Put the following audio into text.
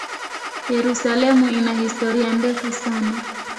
Yerusalemu ina historia ndefu sana.